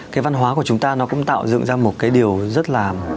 cái văn hóa của chúng ta nó cũng tạo dựng ra một cái điều rất là